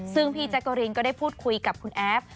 ซึ่งพี่แจ๊กกะรีนก็ได้พูดคุยกับคุณแอฟ